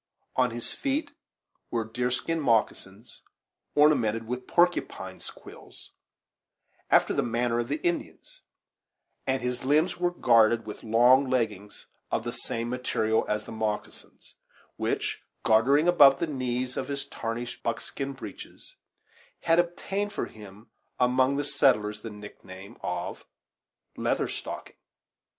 On his feet were deer skin moccasins, ornamented with porcupines' quills, after the manner of the Indians, and his limbs were guarded with long leggings of the same material as the moccasins, which, gartering over the knees of his tarnished buckskin breeches, had obtained for him among the settlers the nickname of Leather Stocking.